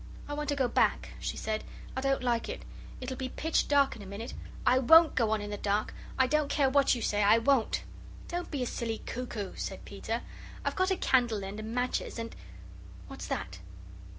"I want to go back," she said, "I don't like it. It'll be pitch dark in a minute. I WON'T go on in the dark. I don't care what you say, I WON'T." "Don't be a silly cuckoo," said Peter; "I've got a candle end and matches, and what's that?"